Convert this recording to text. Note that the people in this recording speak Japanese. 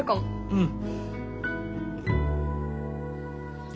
うん！